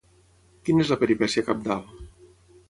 Quina és la peripècia cabdal?